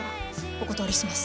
お断りします！